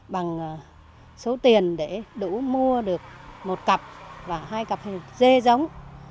bằng số tiền để đủ mua được một cặp và hai cặp dê giống